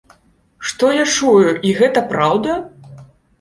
Што я чую, і гэта праўда?